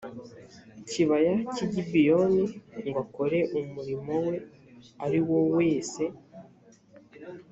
kibaya cy i gibeyoni ngo akore umurimo we ari wo wese